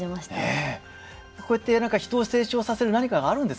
こうやって何か人を成長させる何かがあるんですかね。